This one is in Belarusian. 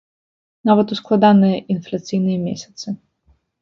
Нават у складаныя інфляцыйныя месяцы.